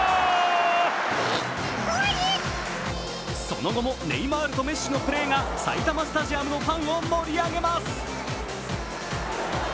その後もネイマールとメッシのプレーが埼玉スタジアムのファンを盛り上げます。